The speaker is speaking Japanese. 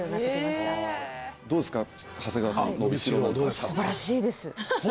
どうですか？